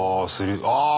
ああ。